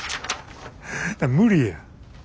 無理や。